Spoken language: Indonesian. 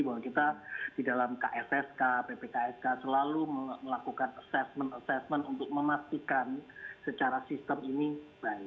bahwa kita di dalam kssk ppksk selalu melakukan assessment assessment untuk memastikan secara sistem ini baik